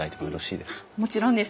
もちろんです。